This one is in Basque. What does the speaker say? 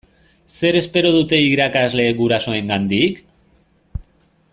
Zer espero dute irakasleek gurasoengandik?